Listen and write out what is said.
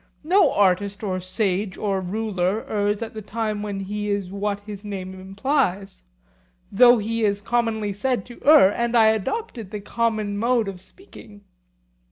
No artist or sage or ruler errs at the time when he is what his name implies; though he is commonly said to err, and I adopted the common mode of speaking.